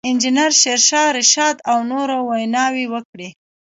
انجنیر شېرشاه رشاد او نورو ویناوې وکړې.